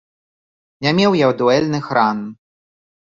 Не меў я дуэльных ран.